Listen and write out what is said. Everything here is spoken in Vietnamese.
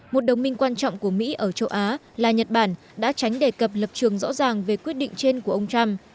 một đồng minh quan trọng của mỹ ở châu á là nhật bản đã tránh đề cập lập trường rõ ràng về quyết định trên của ông trump